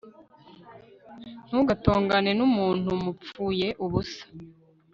Ntugatongane numuntu mupfuye ubusa